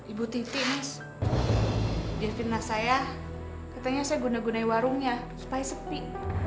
ibu titi miss dia finlah saya katanya saya guna gunai warungnya supaya sepi